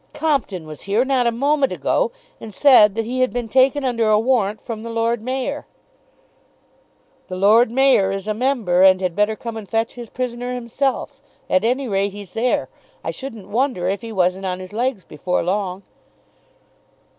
"Compton was here not a moment ago, and said that he had been taken under a warrant from the Lord Mayor." "The Lord Mayor is a member and had better come and fetch his prisoner himself. At any rate he's there. I shouldn't wonder if he wasn't on his legs before long."